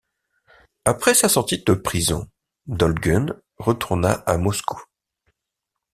Après sa sortie de prison, Dolgun retourna à Moscou.